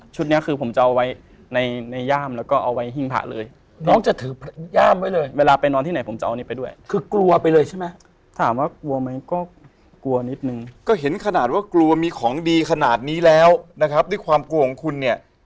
ชุดนี้คือผมจะเอาไว้ในย่ามแล้วก็เอาไว้หิ่งผ่าเลย